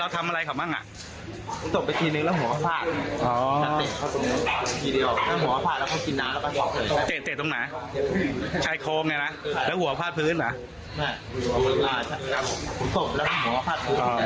เตะตรงไหนใช้โครงไงนะแล้วหัวฟาดพื้นหรอ